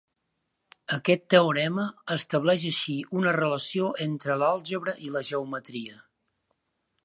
Aquest teorema estableix així una relació entre l'àlgebra i la geometria.